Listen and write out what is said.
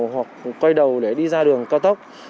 hoặc quay đầu để đi ra đường cao tốc